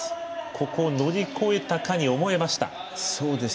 ここを乗り越えたかに思えました。